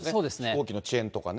大きな遅延とかね。